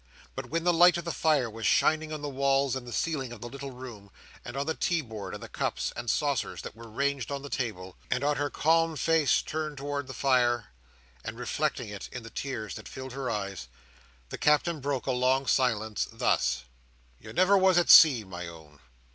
But when the light of the fire was shining on the walls and ceiling of the little room, and on the tea board and the cups and saucers that were ranged upon the table, and on her calm face turned towards the flame, and reflecting it in the tears that filled her eyes, the Captain broke a long silence thus: "You never was at sea, my own?"